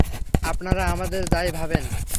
আপনারা আমদের যাই ভাবেন।